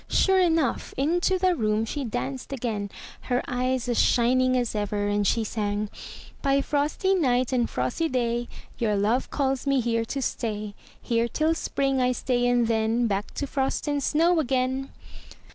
Sure enough ! Into the room she danced again, her eyes as shining as ever, and she sang: ''By frosty night and frosty day Your love calls me here to stay, Here till Spring I stay and then Back to Frost and Snow again!"